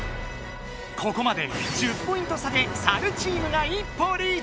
ここまで１０ポイント差でサルチームが一歩リード。